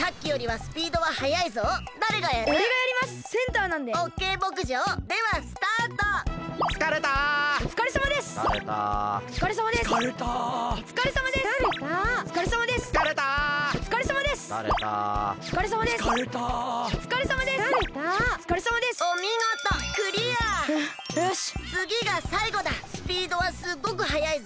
スピードはすっごくはやいぞ。